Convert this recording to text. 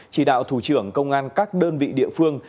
chỉ đạo thủ trưởng công an các đơn vị địa phương